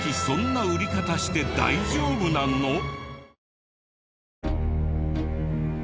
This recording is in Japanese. そんな売り方して大丈夫なの？